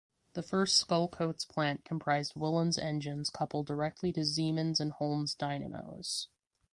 The first Sculcoates plant comprised Willans engines coupled directly to Siemens and Holmes dynamos.